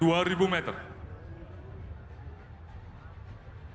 dan helikopter ini dilengkapi peluncur roket ffr